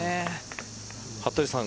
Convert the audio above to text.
服部さん